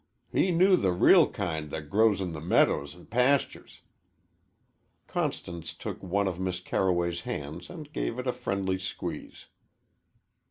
He knew the reel kind that grows in the medders an' pasters." Constance took one of Miss Carroway's hands and gave it a friendly squeeze.